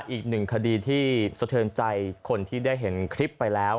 อีกหนึ่งคดีที่สะเทินใจคนที่ได้เห็นคลิปไปแล้ว